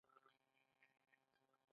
سږ کال زموږ پټي کې جلگه زیاته وه.